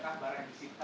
adakah barang yang disita